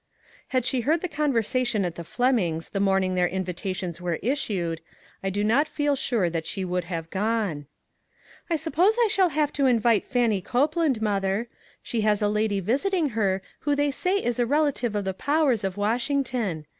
Had she heard the conversation at the Flemings the morning their invitations were issued, I do not feel sure that she would have gone. " I suppose I shall have to invite Fannie Copeland, mother. She has a lady visiting her who they say is a relative of the Pow ers of Washington.